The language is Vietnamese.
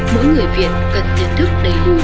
mỗi người việt cần nhận thức đầy đủ